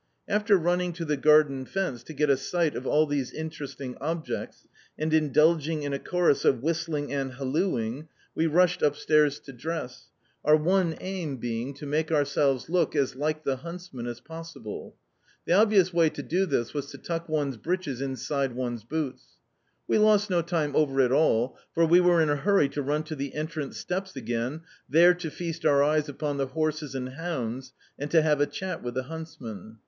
After running to the garden fence to get a sight of all these interesting objects, and indulging in a chorus of whistling and hallooing, we rushed upstairs to dress our one aim being to make ourselves look as like the huntsmen as possible. The obvious way to do this was to tuck one's breeches inside one's boots. We lost no time over it all, for we were in a hurry to run to the entrance steps again there to feast our eyes upon the horses and hounds, and to have a chat with the huntsmen.